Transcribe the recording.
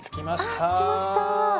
ああ付きました！